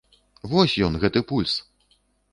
Вось ён, гэты пульс!